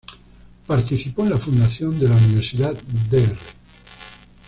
Participó en la fundación de la Universidad "Dr.